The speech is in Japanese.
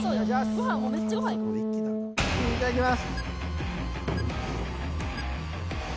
いただきます。